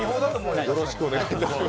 よろしくお願いします。